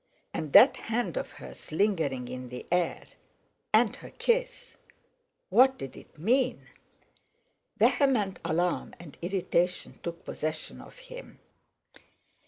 And that hand of hers lingering in the air. And her kiss. What did it mean? Vehement alarm and irritation took possession of him.